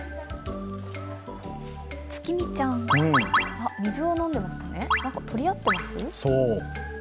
つきみちゃん、水を飲んでますね取り合ってます？